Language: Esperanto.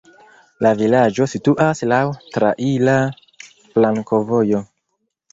La vilaĝo situas laŭ traira flankovojo.